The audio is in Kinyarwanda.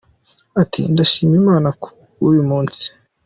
Ati “Ndashima Imana ku bw’uyu munsi.